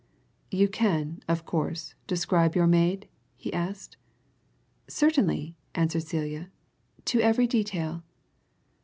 "You can, of course, describe your maid?" he asked. "Certainly!" answered Celia. "To every detail."